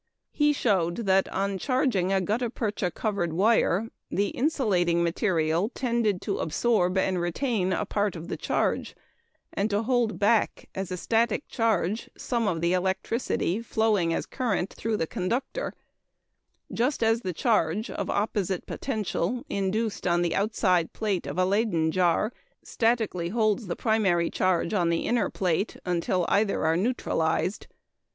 He showed that on charging a gutta percha covered wire, the insulating material tended to absorb and retain a part of the charge and to hold back, as a static charge, some of the electricity flowing as current through the conductor just as the charge (of opposite potential) induced on the outside plate of a Leyden jar statically holds the primary charge on the inner plate, until either are neutralized.